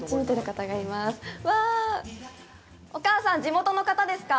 わあ、お母さん、地元の方ですか？